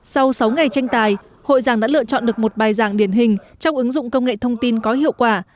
sau sáu ngày tranh tài hội giảng đã lựa chọn được một bài giảng điển hình trong ứng dụng công nghệ thông tin có hiệu quả